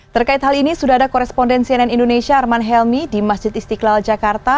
terkait hal ini sudah ada koresponden cnn indonesia arman helmi di masjid istiqlal jakarta